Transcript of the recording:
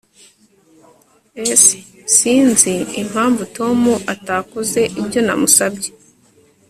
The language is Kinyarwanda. S Sinzi impamvu Tom atakoze ibyo namusabye